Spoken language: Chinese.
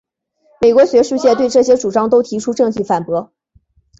美国学术界对这些主张都提出证据反驳。